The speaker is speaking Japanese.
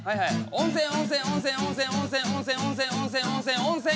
温泉温泉温泉温泉温泉温泉温泉温泉温泉温泉。